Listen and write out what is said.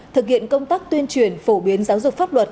thực hiện công tác tuyên truyền phổ biến giáo dục pháp luật